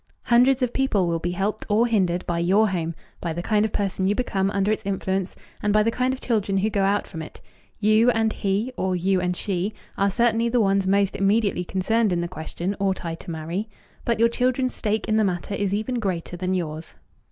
Hundreds of people will be helped or hindered by your home, by the kind of person you become under its influence, and by the kind of children who go out from it. You and "he," or you and "she," are certainly the ones most immediately concerned in the question "Ought I to marry?" but your children's stake in the matter is even greater than yours.